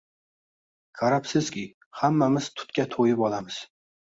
Qarabsizki, hammamiz tutga to‘yib olamiz.